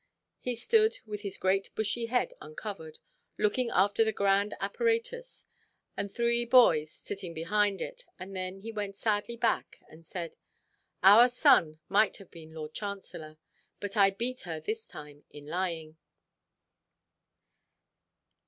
He stood, with his great bushy head uncovered, looking after the grand apparatus, and three boys sitting behind it; and then he went sadly back, and said, "Our son might have been Lord Chancellor. But I beat her this time in lying."